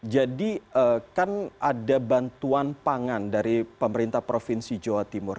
jadi kan ada bantuan pangan dari pemerintah provinsi jawa timur